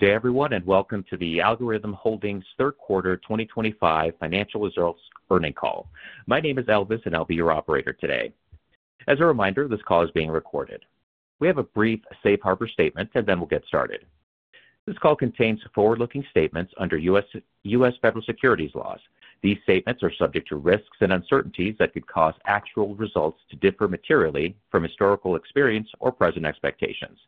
Good day, everyone, and welcome to the Algorhythm Holdings Third Quarter 2025 Financial Results Earning Call. My name is Elvis, and I'll be your operator today. As a reminder, this call is being recorded. We have a brief Safe Harbor Statement, and then we'll get started. This call contains forward-looking statements under U.S. Federal Securities Laws. These statements are subject to risks and uncertainties that could cause actual results to differ materially from historical experience or present expectations.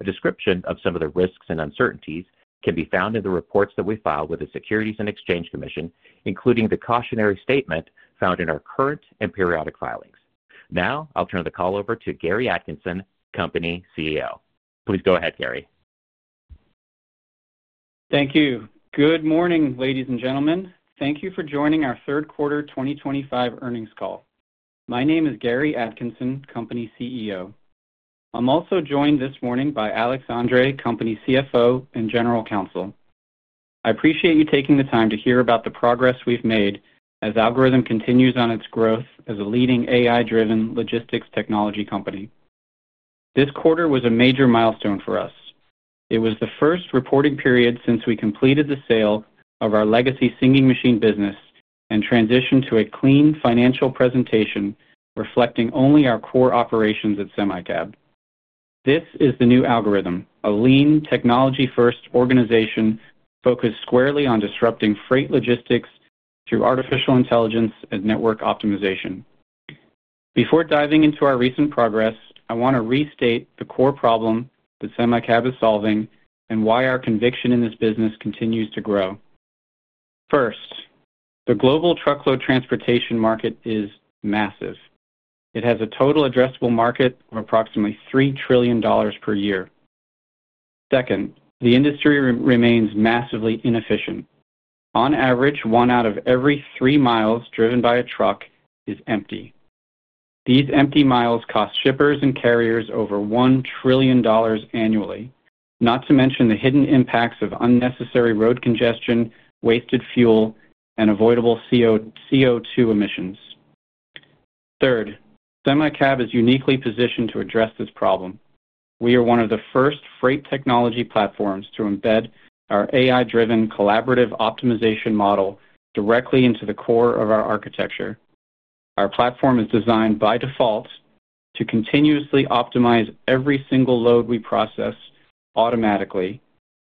A description of some of the risks and uncertainties can be found in the reports that we file with the Securities and Exchange Commission, including the cautionary statement found in our current and periodic filings. Now, I'll turn the call over to Gary Atkinson, Company CEO. Please go ahead, Gary. Thank you. Good morning, ladies and gentlemen. Thank you for joining our Third Quarter 2025 Earnings Call. My name is Gary Atkinson, Company CEO. I'm also joined this morning by Alex Andre, Company CFO and General Counsel. I appreciate you taking the time to hear about the progress we've made as Algorhythm continues on its growth as a leading AI-driven Logistics Technology company. This quarter was a major milestone for us. It was the 1st reporting period since we completed the sale of our legacy Singing Machine business and transitioned to a clean financial presentation reflecting only our core operations at SemiCab. This is the new Algorhythm, a lean, Technology-first Organization focused squarely on disrupting freight logistics through Artificial Intelligence and Network Optimization. Before diving into our recent progress, I want to restate the core problem that SemiCab is solving and why our conviction in this business continues to grow. First, the Global Truckload Transportation market is massive. It has a total addressable market of approximately $3 trillion per year. Second, the industry remains massively inefficient. On average, one out of every 3 mi driven by a truck is empty. These empty miles cost shippers and carriers over $1 trillion annually, not to mention the hidden impacts of unnecessary road congestion, wasted fuel, and avoidable CO2 emissions. Third, SemiCab is uniquely positioned to address this problem. We are one of the 1st Freight Technology Platforms to embed our AI-driven collaborative optimization model directly into the core of our architecture. Our platform is designed by default to continuously optimize every single load we process automatically,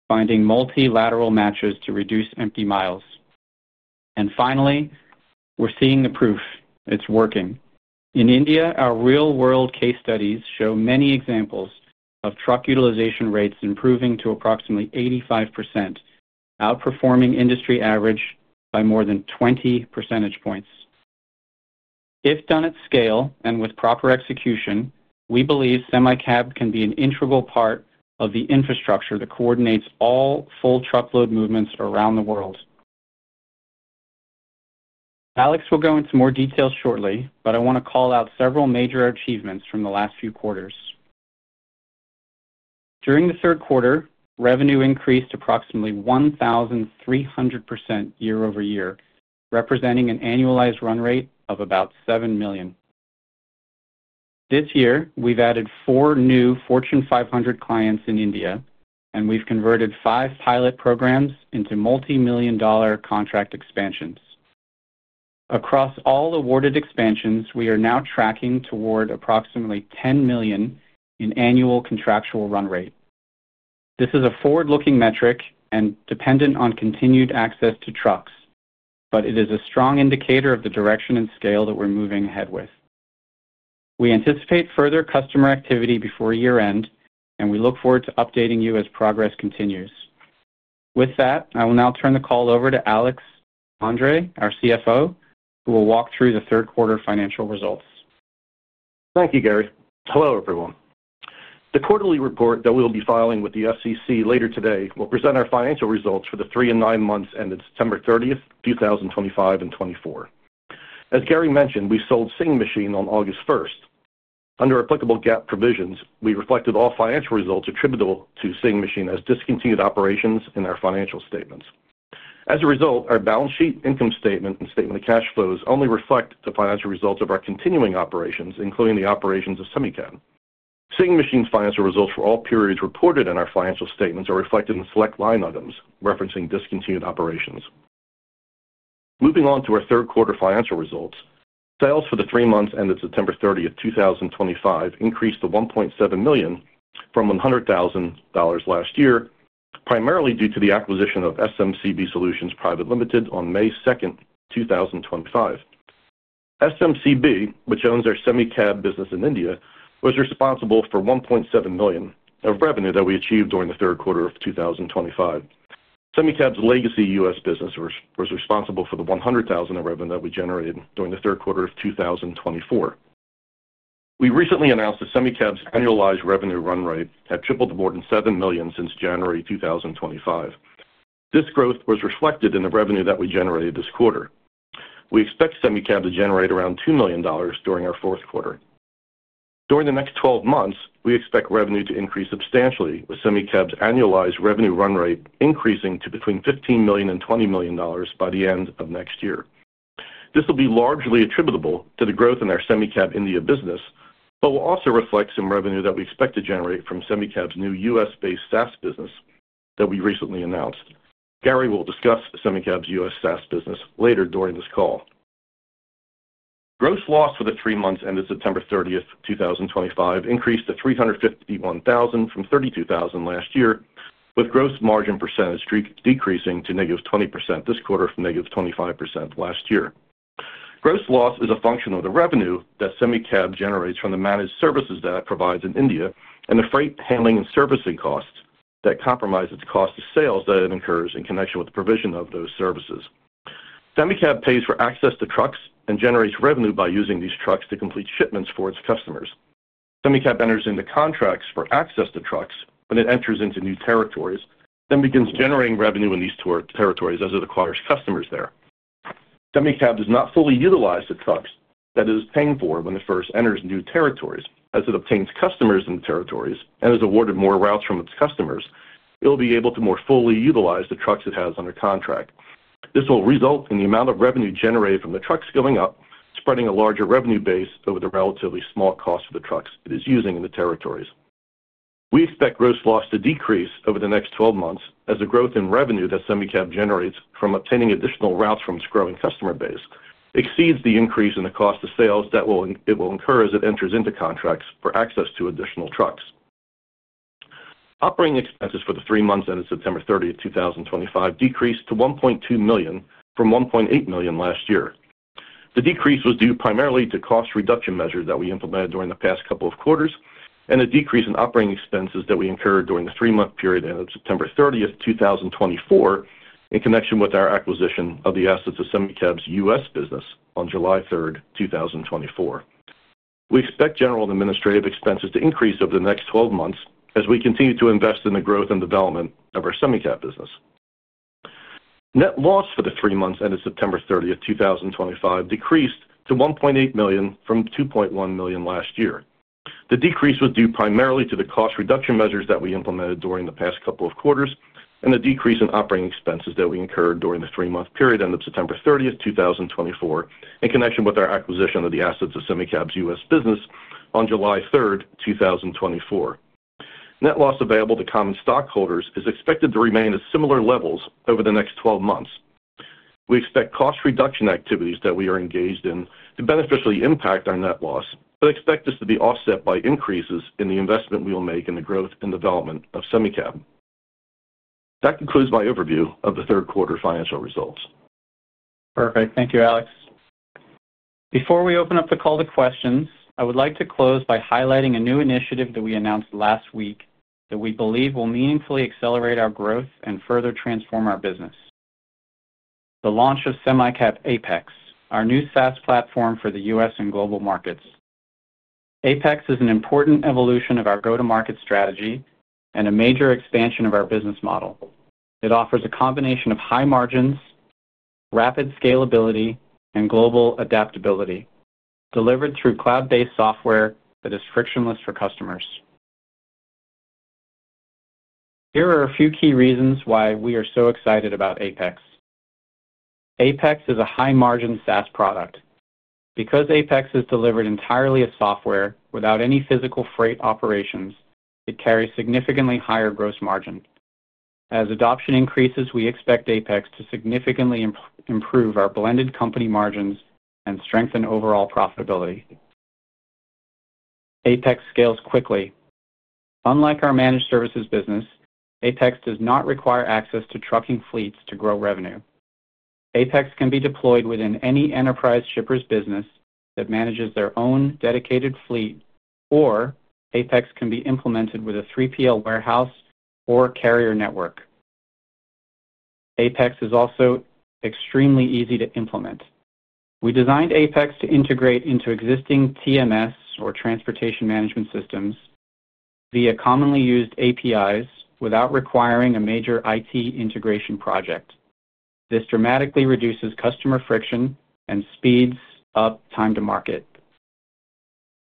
finding multilateral matches to reduce empty miles. Finally, we're seeing the proof. It's working. In India, our real-world case studies show many examples of Truck Utilization Rates improving to approximately 85%, outperforming industry average by more than 20 percentage points. If done at scale and with proper execution, we believe SemiCab can be an integral part of the infrastructure that coordinates all full truckload movements around the world. Alex will go into more details shortly, but I want to call out several major achievements from the last few quarters. During the 3rd quarter, revenue increased approximately 1,300% year-over-year, representing an Annualized Run Rate of about $7 million. This year, we've added four new Fortune 500 clients in India, and we've converted Five Pilot Programs into Multi-million dollar contract expansions. Across all awarded expansions, we are now tracking toward approximately $10 million in Annual Contractual Run Rate. This is a forward-looking metric and dependent on continued access to trucks, but it is a strong indicator of the direction and scale that we're moving ahead with. We anticipate further customer activity before year-end, and we look forward to updating you as progress continues. With that, I will now turn the call over to Alex Andre, our CFO, who will walk through the 3rd quarter financial results. Thank you, Gary. Hello, everyone. The quarterly report that we'll be filing with the SEC later today will present our financial results for the three and nine months ended September 30th, 2025 and 2024. As Gary mentioned, we sold Singing Machine on August 1st. Under applicable GAAP provisions, we reflected all financial results attributable to Singing Machine as discontinued operations in our financial statements. As a result, our Balance Sheet, Income statement, and statement of Cash Flows only reflect the financial results of our continuing operations, including the operations of SemiCab. Singing Machine's financial results for all periods reported in our financial statements are reflected in select line items referencing discontinued operations. Moving on to our 3rd quarter financial results, sales for the three months ended September 30th, 2025, increased to $1.7 million from $100,000 last year, primarily due to the acquisition of SMCB Solutions Private Ltd on May 2nd, 2025. SMCB, which owns our SemiCab business in India, was responsible for $1.7 million of revenue that we achieved during the 3rd quarter of 2025. SemiCab's legacy U.S. business was responsible for the $100,000 of revenue that we generated during the 3rd quarter of 2024. We recently announced that SemiCab's annualized Revenue Run Rate had tripled to more than $7 million since January 2025. This growth was reflected in the revenue that we generated this quarter. We expect SemiCab to generate around $2 million during our 4th quarter. During the next 12 months, we expect revenue to increase substantially, with SemiCab's annualized Revenue Run Rate increasing to between $15 million and $20 million by the end of next year. This will be largely attributable to the growth in our SemiCab India business, but will also reflect some revenue that we expect to generate from SemiCab's new U.S.-based SaaS business that we recently announced. Gary will discuss SemiCab's U.S. SaaS business later during this call. Gross loss for the three months ended September 30th, 2025, increased to $351,000 from $32,000 last year, with gross margin percentage decreasing to -20% this quarter from -25% last year. Gross loss is a function of the revenue that SemiCab generates from the managed services that it provides in India and the freight handling and servicing costs that comprise its cost of sales that it incurs in connection with the provision of those services. SemiCab pays for access to trucks and generates revenue by using these trucks to complete shipments for its customers. SemiCab enters into contracts for access to trucks when it enters into new territories, then begins generating revenue in these territories as it acquires customers there. SemiCab does not fully utilize the trucks that it is paying for when it first enters new territories. As it obtains customers in the territories and is awarded more routes from its customers, it will be able to more fully utilize the trucks it has under contract. This will result in the amount of revenue generated from the trucks going up, spreading a larger revenue base over the relatively small cost of the trucks it is using in the territories. We expect gross loss to decrease over the next 12 months as the growth in revenue that SemiCab generates from obtaining additional routes from its growing customer base exceeds the increase in the cost of sales that it will incur as it enters into contracts for access to additional trucks. Operating Expenses for the three months ended September 30, 2025, decreased to $1.2 million from $1.8 million last year. The decrease was due primarily to cost reduction measures that we implemented during the past couple of quarters and a decrease in Operating Expenses that we incurred during the three-month period ended September 30th, 2024, in connection with our acquisition of the assets of SemiCab's U.S. business on July 3rd, 2024. We expect general and Administrative Expenses to increase over the next 12 months as we continue to invest in the Growth and Development of our SemiCab business. Net loss for the three months ended September 30th, 2025, decreased to $1.8 million from $2.1 million last year. The decrease was due primarily to the cost reduction measures that we implemented during the past couple of quarters and the decrease in Operating Expenses that we incurred during the three-month period ended September 30th, 2024, in connection with our acquisition of the assets of SemiCab's U.S. business on July 3, 2024. Net loss available to common stockholders is expected to remain at similar levels over the next 12 months. We expect cost reduction activities that we are engaged in to beneficially impact our net loss, but expect this to be offset by increases in the investment we will make in the growth and development of SemiCab. That concludes my overview of the 3rd quarter financial results. Perfect. Thank you, Alex. Before we open up the call to questions, I would like to close by highlighting a new initiative that we announced last week that we believe will meaningfully accelerate our growth and further transform our business: the launch of SemiCab APEX, our new SaaS platform for the U.S. and global markets. APEX is an important evolution of our go-to-market strategy and a major expansion of our business model. It offers a combination of High Margins, Rapid Scalability, and Global Adaptability, delivered through Cloud-based Software that is frictionless for customers. Here are a few key reasons why we are so excited about APEX. APEX is a high-margin SaaS product. Because APEX is delivered entirely as software without any Physical Freight Operations, it carries significantly higher gross margin. As adoption increases, we expect APEX to significantly improve our blended company margins and strengthen overall profitability. APEX scales quickly. Unlike our managed services business, APEX does not require access to trucking fleets to grow revenue. APEX can be deployed within any Enterprise shipper's business that manages their own dedicated fleet, or APEX can be implemented with a 3PL warehouse or carrier network. APEX is also extremely easy to implement. We designed APEX to integrate into existing TMS or Transportation Management Systems via commonly used APIs without requiring a Major IT Integration Project. This dramatically reduces customer friction and speeds up time to market.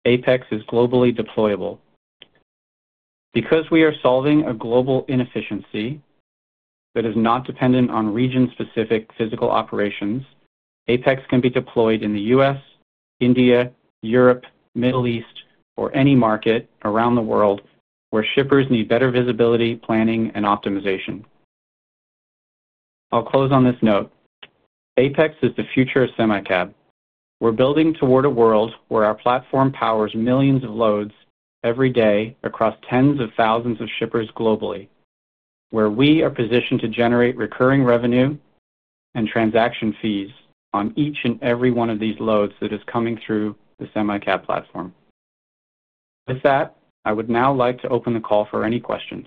APEX is globally deployable. Because we are solving a global inefficiency that is not dependent on region-specific physical operations, APEX can be deployed in the U.S., India, Europe, Middle East, or any market around the world where shippers need better visibility, planning, and optimization. I'll close on this note. APEX is the future of SemiCab. We're building toward a world where our platform powers millions of loads every day across tens of thousands of shippers globally, where we are positioned to generate recurring revenue and transaction fees on each and every one of these loads that is coming through the SemiCab platform. With that, I would now like to open the call for any questions.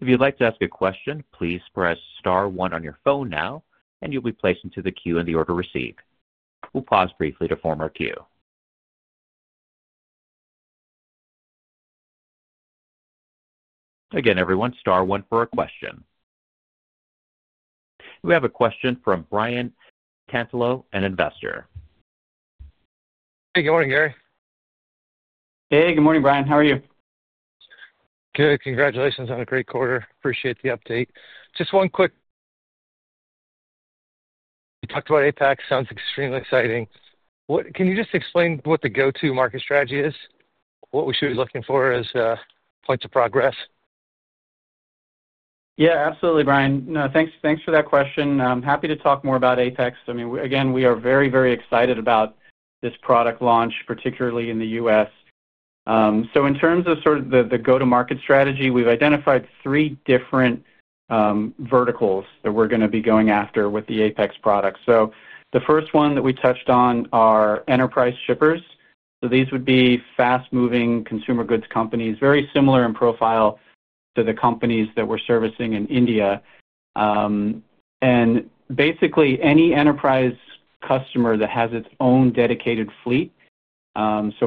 If you'd like to ask a question, please press star one on your phone now, and you'll be placed into the queue in the order received. We'll pause briefly to form our queue. Again, everyone, star one for a question. We have a question from Brian Cantelo, an investor. Hey, good morning, Gary. Hey, good morning, Brian. How are you? Good. Congratulations on a great quarter. Appreciate the update. Just one quick question. You talked about APEX. Sounds extremely exciting. Can you just explain what the go-to-market strategy is? What we should be looking for as points of progress? Yeah, absolutely, Brian. Thanks for that question. I'm happy to talk more about APEX. I mean, again, we are very, very excited about this product launch, particularly in the U.S. In terms of sort of the go-to-market strategy, we've identified three different verticals that we're going to be going after with the APEX product. The first one that we touched on are Enterprise Shippers. These would be fast-moving consumer goods companies, very similar in profile to the companies that we're servicing in India. Basically, any enterprise customer that has its own dedicated fleet,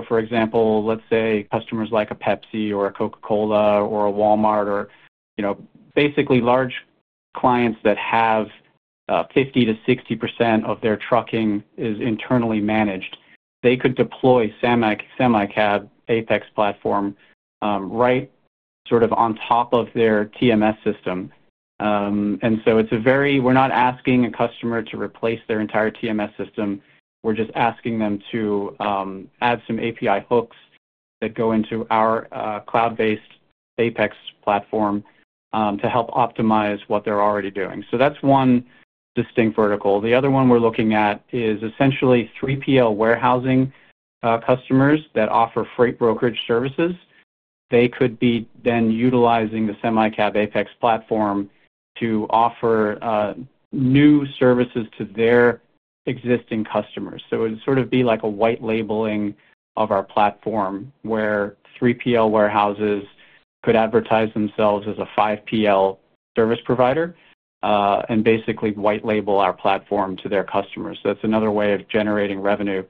for example, let's say customers like a Pepsi or a Coca-Cola or a Walmart, or basically large clients that have 50-60% of their trucking is internally managed, they could deploy SemiCab APEX platform right sort of on top of their TMS system. It is a very—we're not asking a customer to replace their entire TMS system. We're just asking them to add some API hooks that go into our Cloud-based APEX platform to help optimize what they're already doing. That is one distinct vertical. The other one we're looking at is essentially 3PL warehousing customers that offer Freight Brokerage Services. They could be then utilizing the SemiCab APEX platform to offer new services to their existing customers. It would sort of be like a white labeling of our platform where 3PL warehouses could advertise themselves as a 5PL service provider and basically white label our platform to their customers. That is another way of generating revenue.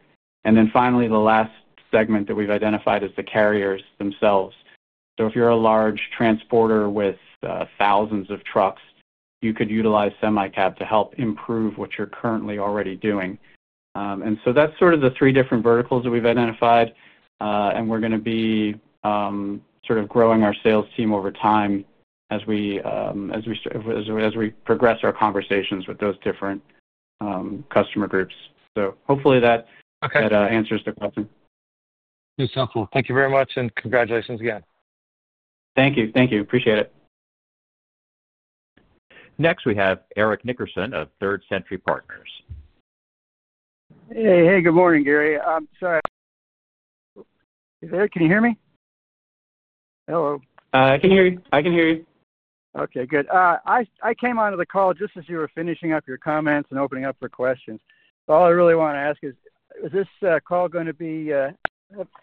Finally, the last segment that we've identified is the carriers themselves. If you're a large transporter with thousands of trucks, you could utilize SemiCab to help improve what you're currently already doing. That is sort of the three different verticals that we've identified. We're going to be sort of growing our sales team over time as we progress our conversations with those different customer groups. Hopefully that answers the question. That's helpful. Thank you very much, and congratulations again. Thank you. Thank you. Appreciate it. Next, we have Eric Nickerson of Third Century Partners. Hey, hey, good morning, Gary. I'm sorry. Eric, can you hear me? Hello? I can hear you. I can hear you. Okay, good. I came onto the call just as you were finishing up your comments and opening up for questions. All I really want to ask is, is this call going to be—is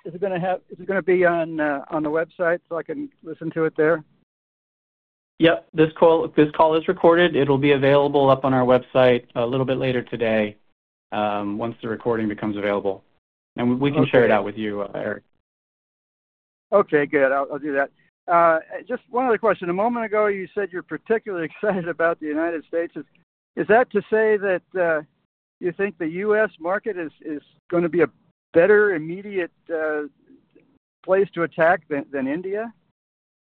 it going to be on the website so I can listen to it there? Yep. This call is recorded. It will be available up on our website a little bit later today once the recording becomes available. We can share it out with you, Eric. Okay, good. I'll do that. Just one other question. A moment ago, you said you're particularly excited about the United States. Is that to say that you think the U.S. market is going to be a better immediate place to attack than India?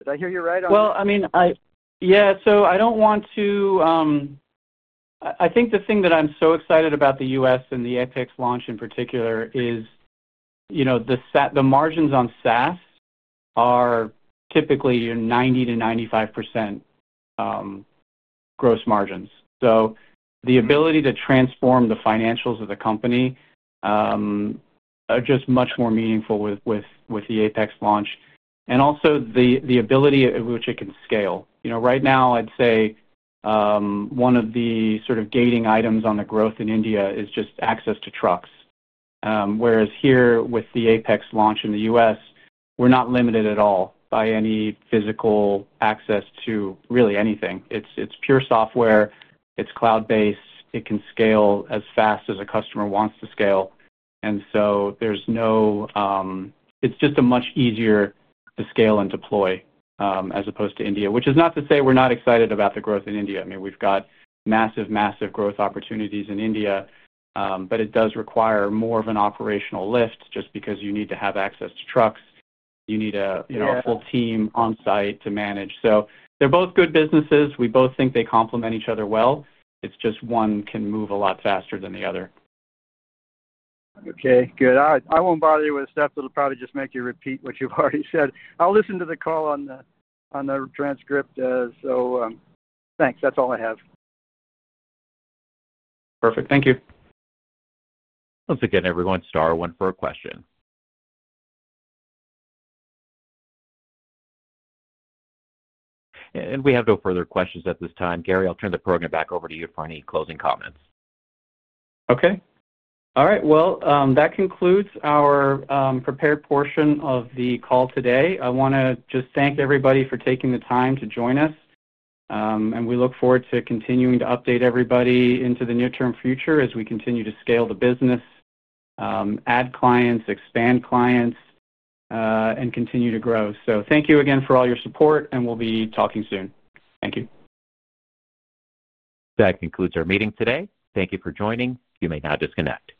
Did I hear you right on that? I mean, yeah. I do not want to—I think the thing that I am so excited about the U.S. and the APEX launch in particular is the margins on SaaS are typically 90%-95% gross margins. The ability to transform the financials of the company are just much more meaningful with the APEX launch. Also, the ability at which it can scale. Right now, I would say one of the sort of gating items on the growth in India is just access to trucks. Whereas here with the APEX launch in the U.S., we are not limited at all by any physical access to really anything. It is pure software. It is Cloud-based. It can scale as fast as a customer wants to scale. There is no—it is just much easier to scale and deploy as opposed to India. Which is not to say we're not excited about the growth in India. I mean, we've got massive, massive growth opportunities in India, but it does require more of an operational lift just because you need to have access to trucks. You need a Full team On-site to manage. They are both good businesses. We both think they complement each other well. It is just one can move a lot faster than the other. Okay, good. I won't bother you with stuff that'll probably just make you repeat what you've already said. I'll listen to the call on the transcript. Thanks. That's all I have. Perfect. Thank you. Once again, everyone, star one for a question. We have no further questions at this time. Gary, I'll turn the program back over to you for any closing comments. Okay. All right. That concludes our prepared portion of the call today. I want to just thank everybody for taking the time to join us. We look forward to continuing to update everybody into the near-term future as we continue to scale the business, add clients, expand clients, and continue to grow. Thank you again for all your support, and we'll be talking soon. Thank you. That concludes our meeting today. Thank you for joining. You may now disconnect.